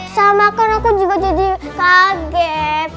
sama kan aku juga jadi kaget